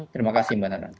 terima kasih mbak nanan